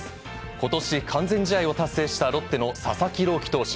ことし完全試合を達成したロッテの佐々木朗希投手。